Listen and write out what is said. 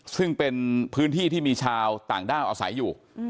ซึ่งเป็นพื้นที่ที่มีชาวต่างด้าวอาศัยอยู่